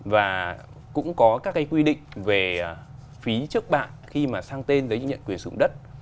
và cũng có các cái quy định về phí trước bạn khi mà sang tên giấy chứng nhận quyền sử dụng đất